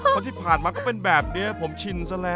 เพราะที่ผ่านมาก็เป็นแบบนี้ผมชินซะแล้ว